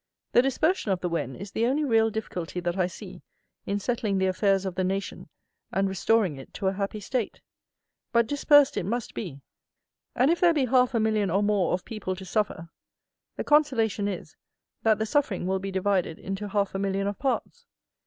The dispersion of the wen is the only real difficulty that I see in settling the affairs of the nation and restoring it to a happy state. But dispersed it must be; and if there be half a million, or more, of people to suffer, the consolation is, that the suffering will be divided into half a million of parts.